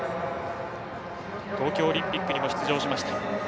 東京オリンピックにも出場しました。